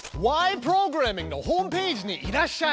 プログラミング」のホームページにいらっしゃい！